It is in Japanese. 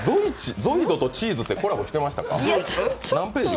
ゾイドとチーズってコラボしてましたか？